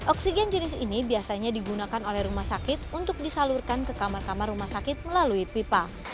oksigen jenis ini biasanya digunakan oleh rumah sakit untuk disalurkan ke kamar kamar rumah sakit melalui pipa